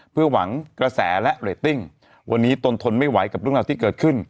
เพื่อหวังกระแสและเรตติ้งวันนี้ตนทนไม่ไหวกับเรื่องราวที่เกิดขึ้น